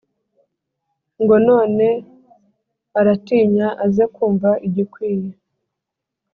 Ngo none aratinyaAze kumva igikwiye